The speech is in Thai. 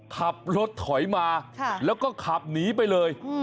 ขับรถถอยมาแล้วก็ขับหนีไปเลย